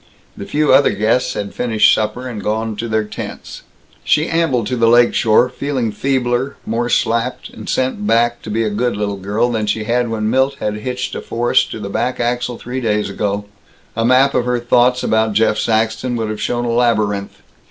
The few other guests had finished supper and gone to their tents. She ambled to the lake shore, feeling feebler, more slapped and sent back to be a good little girl, than she had when Milt had hitched a forest to the back axle, three days ago. A map of her thoughts about Jeff Saxton would have shown a labyrinth.